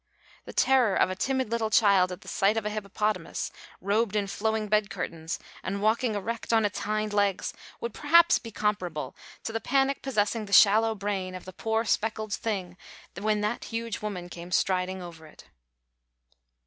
The terror of a timid little child at the sight of a hippopotamus, robed in flowing bed curtains and walking erect on its hind legs, would perhaps be comparable to the panic possessing the shallow brain of the poor speckled thing when that huge woman came striding over it.